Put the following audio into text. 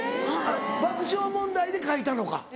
爆笑問題で書いたのか？